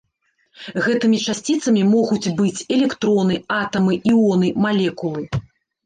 Гэтымі часціцамі могуць быць электроны, атамы, іоны, малекулы.